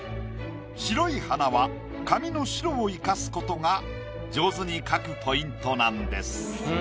白い花は紙の白を生かすことが上手に描くポイントなんです。